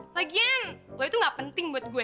lagian lo itu nggak penting buat gue